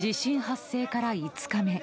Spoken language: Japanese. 地震発生から５日目。